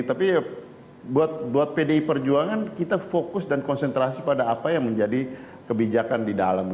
tapi buat pdi perjuangan kita fokus dan konsentrasi pada apa yang menjadi kebijakan di dalam